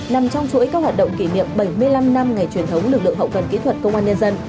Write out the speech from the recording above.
nằm trong chuỗi các hoạt động kỷ niệm bảy mươi năm năm ngày truyền thống lực lượng hậu cần kỹ thuật công an nhân dân